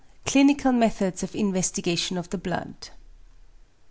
CLINICAL METHODS OF INVESTIGATION OF THE BLOOD.